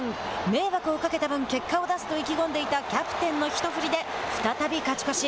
迷惑をかけた分結果を出すと意気込んでいたキャプテンの一振りで再び勝ち越し。